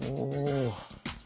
お。